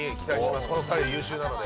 この２人は優秀なので。